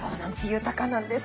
豊かなんです